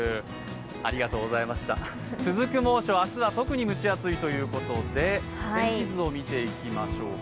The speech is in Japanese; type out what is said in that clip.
続く猛暑、明日は特に蒸し暑いということで、天気図を見ていきましょうか。